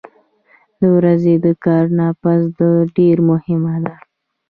د ورځې د کار نه پس دا ډېره مهمه ده